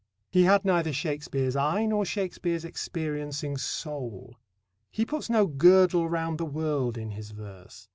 He had neither Shakespeare's eye nor Shakespeare's experiencing soul. He puts no girdle round the world in his verse.